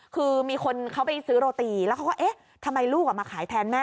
คือมีคนเขาไปซื้อโรตีแล้วเขาก็เอ๊ะทำไมลูกมาขายแทนแม่